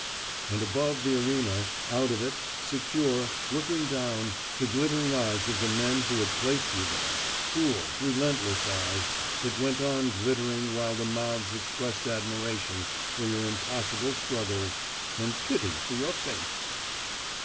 And above the arena, out of it, secure, looked down the glittering eyes of the men who had placed you there; cruel, relentless eyes, that went on glittering while the mouths expressed admiration for your impossible struggles, and pity for your fate!